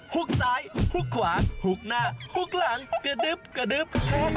หุกซ้ายหุกขวาหุกหน้าหุกหลังกระดึ๊บกระดึ๊บ